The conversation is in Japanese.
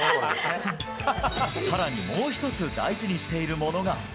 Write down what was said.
さらにもう一つ、大事にしているものが。